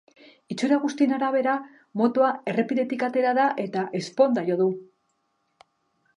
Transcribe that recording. Itxura guztien arabera, motoa errepidetik atera da eta ezponda jo du.